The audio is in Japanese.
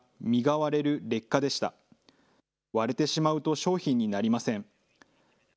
割れてしまうと商品になりません。